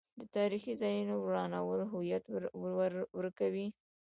د تاریخي ځایونو ورانول هویت ورکوي.